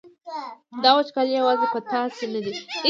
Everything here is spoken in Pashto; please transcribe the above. دا وچکالي یوازې په تاسې نه ده.